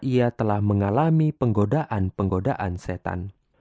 ia telah mengalami penggodaan penggodaan setan